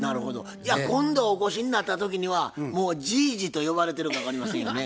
じゃあ今度お越しになった時にはもうじいじと呼ばれてるか分かりませんよね。